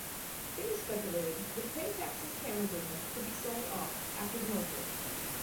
It was speculated that Pentax's camera business could be sold off after the merger.